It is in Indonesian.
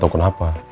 saya juga ngeri